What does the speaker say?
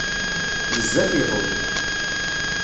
Bezzaf iḍul.